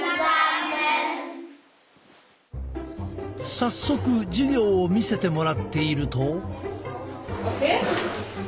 早速授業を見せてもらっていると。